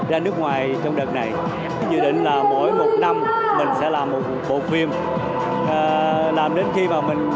ra nước ngoài trong đợt này dự định là mỗi một năm mình sẽ làm một bộ phim làm đến khi vào mình